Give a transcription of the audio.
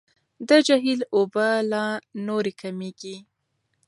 د جهیل اوبه لا نورې کمیږي.